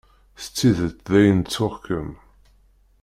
S tidet dayen ttuɣ-kem.